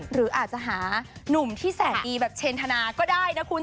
หรืออาจจะหานุ่มที่แสนดีแบบเชนธนาก็ได้นะคุณ